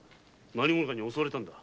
何者かに襲われたんだ。